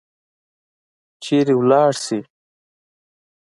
چیرې ولاړي شي؟